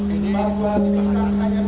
ini bahwa dimisahkan yang mempelai